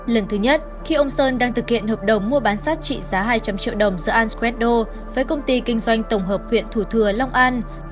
lần thứ nhất khi ông sơn đang thực hiện hợp đồng mua bán sát trị giá hai trăm linh triệu đồng giữa al squesdo với công ty kinh doanh tổng hợp huyện thủ thừa long an